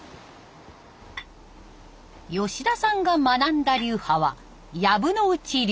吉田さんが学んだ流派は藪内流。